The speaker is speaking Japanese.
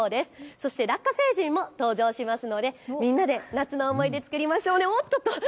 そしてラッカ星人も登場しますのでみんなで夏の思い出作りましょうね。